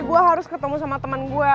gua harus ketemu sama temen gua